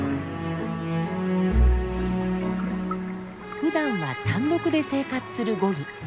ふだんは単独で生活するゴギ。